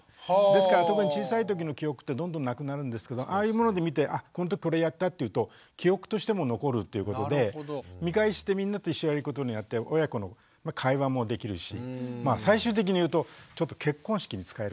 ですから特に小さい時の記憶ってどんどんなくなるんですけどああいうもので見てあこの時これやったっていうと記憶としても残るということで見返してみんなと一緒にやることによって親子の会話もできるしあいやそうですよね。